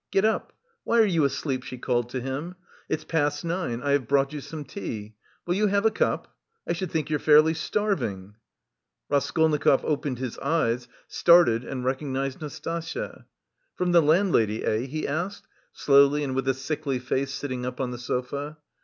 "Get up, why are you asleep?" she called to him. "It's past nine, I have brought you some tea; will you have a cup? I should think you're fairly starving?" Raskolnikov opened his eyes, started and recognised Nastasya. "From the landlady, eh?" he asked, slowly and with a sickly face sitting up on the sofa.